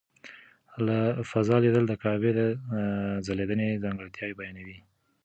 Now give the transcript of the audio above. له فضا لیدل د کعبې د ځلېدنې ځانګړتیا بیانوي.